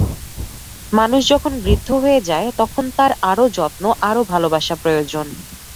মানুষ যখন বৃদ্ধ হয়ে যায়, তখন তাঁর আরও যত্ন আরও ভালোবাসা প্রয়োজন।